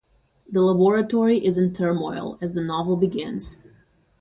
The laboratory is in turmoil as the novel begins.